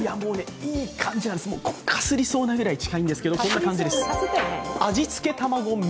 いい感じなんです、かすりそうなくらい近いんですが、こんな感じです。